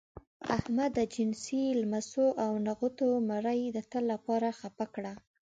احمد د جنسي لمسو او نغوتو مرۍ د تل لپاره خپه کړه.